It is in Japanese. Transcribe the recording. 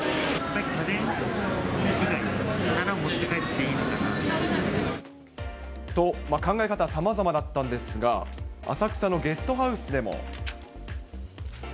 家電以外は持って帰っていいのかな。と、考え方さまざまだったんですが、浅草のゲストハウスでも。